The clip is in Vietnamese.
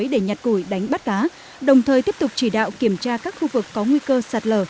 để nhặt củi đánh bắt cá đồng thời tiếp tục chỉ đạo kiểm tra các khu vực có nguy cơ sạt lở